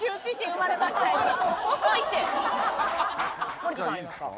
森田さんいきますか。